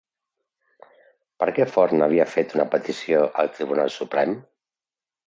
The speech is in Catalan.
Per què Forn havia fet una petició al Tribunal Suprem?